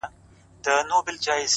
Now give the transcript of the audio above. • موږ په اصل او نسب سره خپلوان یو,